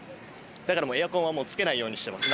だからもうエアコンはつけないようにしてます。